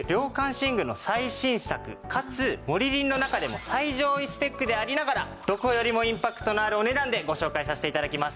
寝具の最新作かつモリリンの中でも最上位スペックでありながらどこよりもインパクトのあるお値段でご紹介させて頂きます。